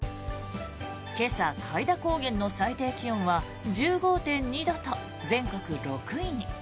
今朝、開田高原の最低気温は１５．２度と全国６位に。